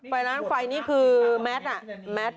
ไฟล้างไฟนี่คือแมทนี่แมทกับ